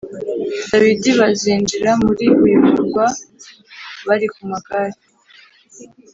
Dawidi bazinjira muri uyu murwa bari ku magare